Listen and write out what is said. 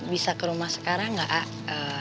bisa ke rumah sekarang gak a'a